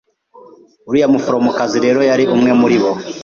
Uriya muforomokazi rero yari umwe muri bo.